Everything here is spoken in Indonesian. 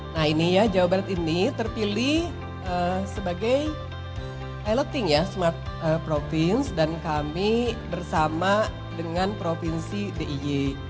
nah ini ya jawabannya ini terpilih sebagai piloting ya smart province dan kami bersama dengan provinsi diy